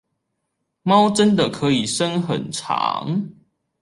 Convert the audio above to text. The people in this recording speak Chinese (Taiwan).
貓真的可以伸很長